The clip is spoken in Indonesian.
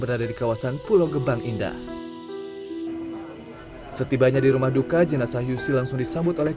berada di kawasan pulau gebang indah setibanya di rumah duka jenazah yusi langsung disambut oleh